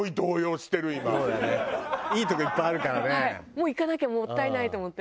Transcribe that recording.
もう行かなきゃもったいないと思って。